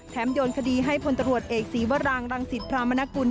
โยนคดีให้พลตรวจเอกศรีวรางรังสิตพรามนกุล